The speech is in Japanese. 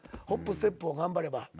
ホップステップを頑張れば。